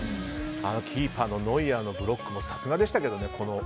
あのキーパーのノイアーのブロックもさすがでしたけどね。